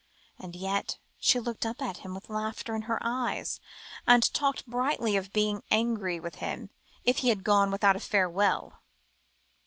And yet she looked up at him with laughter in her eyes, and talked brightly of being angry with him, if he had gone without a farewell!